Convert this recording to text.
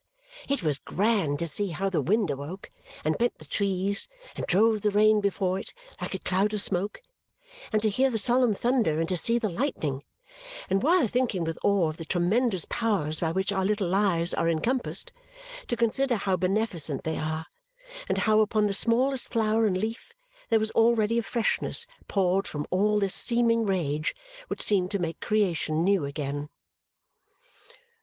It was grand to see how the wind awoke, and bent the trees, and drove the rain before it like a cloud of smoke; and to hear the solemn thunder and to see the lightning; and while thinking with awe of the tremendous powers by which our little lives are encompassed, to consider how beneficent they are and how upon the smallest flower and leaf there was already a freshness poured from all this seeming rage which seemed to make creation new again.